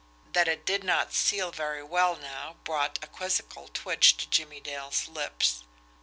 That it did not seal very well now brought a quizzical twitch to Jimmie Dale's lips.